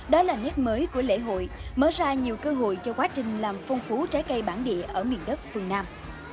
đó là nét mới của lễ hội mở ra nhiều cơ hội cho quá trình làm phong phú trái cây bản địa ở miền đất phương nam